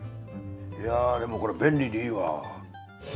いやでもこれ便利でいいわ。